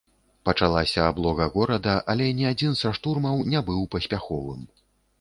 Пачалася аблога горада, але ні адзін са штурмаў не быў паспяховым.